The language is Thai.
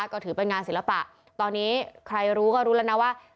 ก็ถือเป็นงานศิลปะตอนนี้ใครรู้ก็รู้แล้วนะว่า